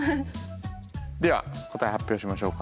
では答え発表しましょうか。